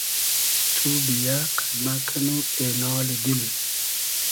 تو بییۂ قئد مۂ کئنو اېنالی دیل